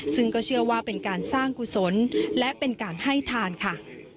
ซึ่งก็เชื่อว่าเป็นการสร้างกุศลและเป็นการให้ทานค่ะ